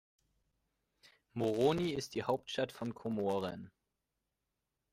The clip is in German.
Moroni ist die Hauptstadt von Komoren.